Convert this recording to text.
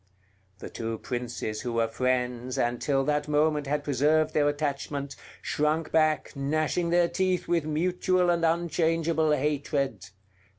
The two princes who were friends, and till that moment had preserved their attachment, shrunk back, gnashing their teeth with mutual and unchangeable hatred.